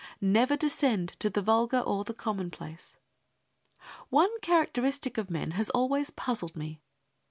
Never descend to the vulgar or the commonplace. One characteristic of men has always puzzled me.